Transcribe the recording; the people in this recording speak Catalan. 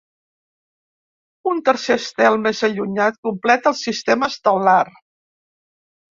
Un tercer estel més allunyat completa el sistema estel·lar.